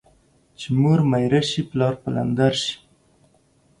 چي مور ميره سي ، پلار پلندر سي.